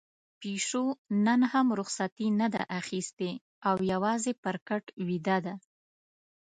پيشو نن هم رخصتي نه ده اخیستې او يوازې پر کټ ويده ده.